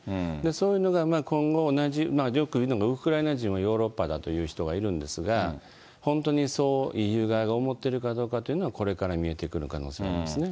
そういうのが今後、同じ、よく言うのがウクライナ人はヨーロッパだと言う人がいるんですが、本当にそうＥＵ側が思ってるかどうかというのは、これから見えてくる可能性がありますね。